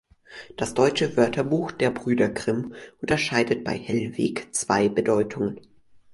Das "Deutsche Wörterbuch" der Brüder Grimm unterscheidet bei "Hellweg" zwei Bedeutungen.